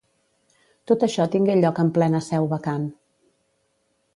Tot això tingué lloc en plena seu vacant.